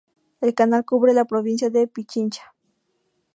El canal cubre la provincia de Pichincha.